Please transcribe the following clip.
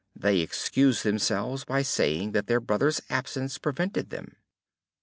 They excused themselves by saying that their brother's absence prevented them.